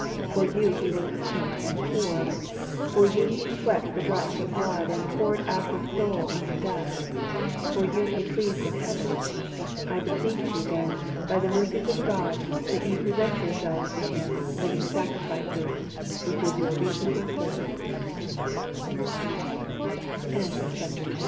For you He was homeless and poor. For you He sweat the drops of blood and poured out his soul unto death. For you He pleads in heaven. "I beseech you then, by the mercies of God, that ye present yourselves to Him, living sacrific